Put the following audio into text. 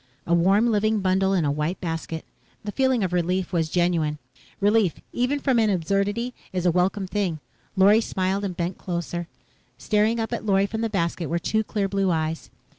A warm, living bundle in a white basket. The feeling of relief was genuine. Relief, even from an absurdity, is a welcome thing. Lorry smiled and bent closer. Staring up at Lorry from the basket were two clear blue eyes.